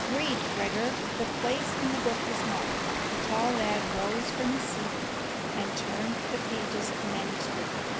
Read, Gregor; the place in the book is marked." The tall lad rose from his seat and turned the pages of the manuscript.